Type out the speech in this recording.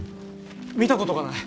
見たことがない！